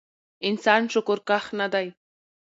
انسان شکرکښ نه دی